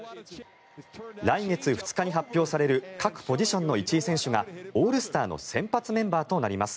来月２日に発表される各ポジションの１位選手がオールスターの先発メンバーとなります。